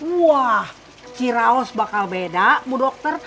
wah ciraos bakal beda bu dokter